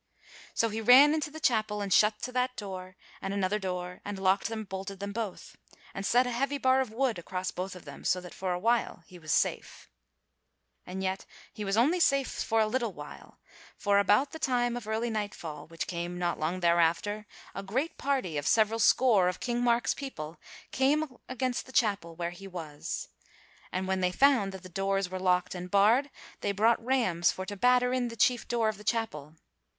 So he ran into the chapel and shut to that door and another door and locked and bolted them both, and set a heavy bar of wood across both of them so that for a while he was safe. But yet he was only safe for a little while, for about the time of early nightfall, which came not long thereafter, a great party of several score of King Mark's people came against the chapel where he was. And when they found that the doors were locked and barred, they brought rams for to batter in the chief door of the chapel.